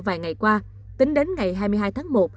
vài ngày qua tính đến ngày hai mươi hai tháng một